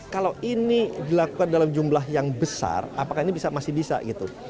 kalau ini dilakukan dalam jumlah yang besar apakah ini masih bisa gitu